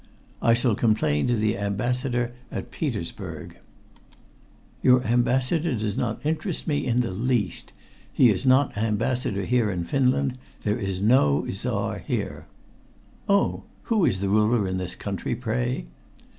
"I shall complain to the Ambassador at Petersburg." "Your Ambassador does not interest me in the least. He is not Ambassador here in Finland. There is no Czar here." "Oh! Who is ruler in this country, pray?"